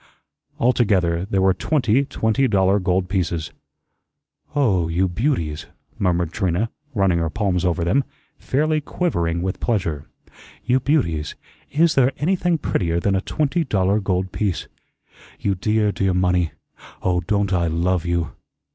Altogether there were twenty twenty dollar gold pieces. "Oh h, you beauties!" murmured Trina, running her palms over them, fairly quivering with pleasure. "You beauties! IS there anything prettier than a twenty dollar gold piece? You dear, dear money! Oh, don't I LOVE you!